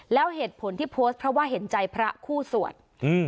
แล้วเหตุผลที่โพสต์เพราะว่าเห็นใจพระคู่สวด